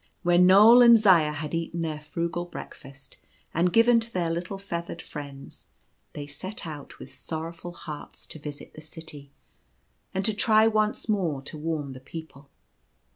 When Knoal and Zaya had eaten their frugal break fast and given to their little feathered friends, they set out with sorrowful hearts to visit the city, and to try once more to warn the people.